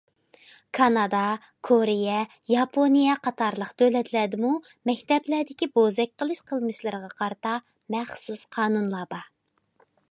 كانادا، كورېيە، ياپونىيە قاتارلىق دۆلەتلەردىمۇ مەكتەپلەردىكى بوزەك قىلىش قىلمىشلىرىغا قارىتا مەخسۇس قانۇنلار بار.